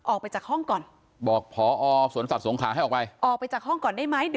ออกไปจากห้องก่อนออกไปจากห้องก่อนได้ไหม